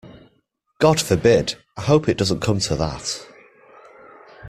God forbid! I hope it doesn't come to that.